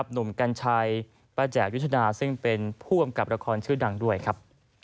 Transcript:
หนุ่มกัญชัยป้าแจกยุทธนาซึ่งเป็นผู้กำกับละครชื่อดังด้วยครับ